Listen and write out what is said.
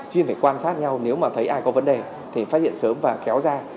khi phải quan sát nhau nếu mà thấy ai có vấn đề thì phát hiện sớm và kéo ra